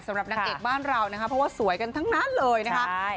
สำหรับนางเอกบ้านเรานะคะเพราะว่าสวยกันทั้งนั้นเลยนะคะ